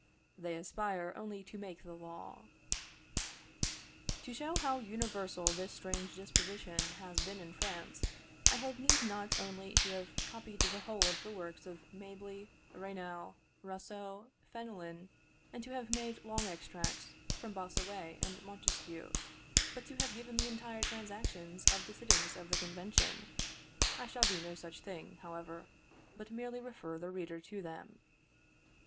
They aspire only to make the law. To show how universal this strange disposition has been in France, I had need not only to have copied the whole of the works of Mably, Raynal, Rousseau, Fenelon, and to have made long extracts from Bossuet and Montesquieu, but to have given the entire transactions of the sittings of the Convention, I shall do no such thing, however, but merely refer the reader to them.